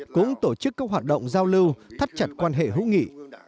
cũng tổ chức các hoạt động giao lưu thắt chặt quan hệ hữu nghị